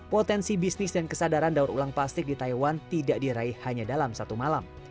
potensi bisnis dan kesadaran daur ulang plastik di taiwan tidak diraih hanya dalam satu malam